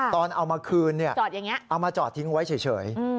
ตอนเอามาคืนเอามาจอดทิ้งไว้เฉย